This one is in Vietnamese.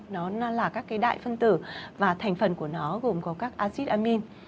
nó là các cái đại phân tử và thành phần của nó gồm có các acid amin